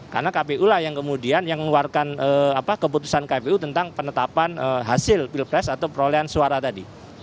karena kpu lah yang kemudian yang mengeluarkan keputusan kpu tentang penetapan hasil pilpres atau perolehan suara tadi